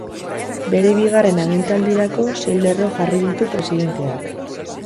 Bere bigarren agintaldirako, sei lerro jarri ditu presidenteak.